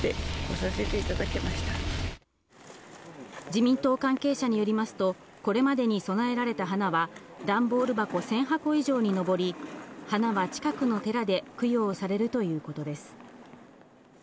自民党関係者によりますと、これまでに供えられた花は段ボール箱１０００箱以上に上り、花は近くの寺で供養されるということです。